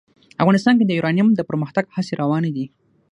افغانستان کې د یورانیم د پرمختګ هڅې روانې دي.